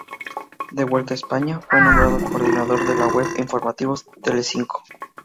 De vuelta a España, fue nombrado coordinador de la web Informativos Telecinco.